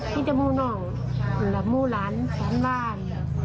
มีมูนองหรือมูร้านสวรรค์บ้าน